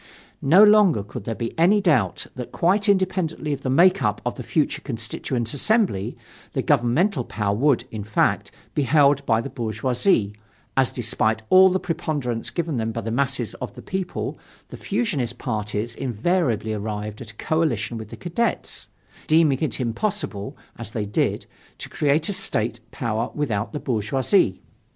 No longer could there be any doubt that quite independently of the make up of the future Constituent Assembly, the governmental power would, in fact, be held by the bourgeoisie, as despite all the preponderance given them by the masses of the people the fusionist parties invariably arrived at a coalition with the Cadets, deeming it impossible, as they did, to create a state power without the bourgeoisie.